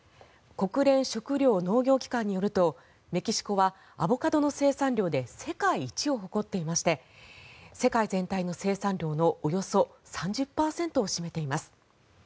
国連食糧農業機関によるとメキシコはアボカドの生産量で世界一を誇っていまして世界全体の生産量のおよそ３０％を占めています。